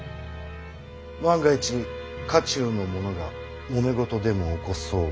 万が一家中の者がもめ事でも起こそうものなら。